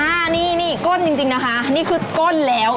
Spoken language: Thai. อันนี้นี่ก้นจริงนะคะนี่คือก้นแล้ว